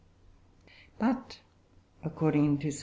But, according to Sir W.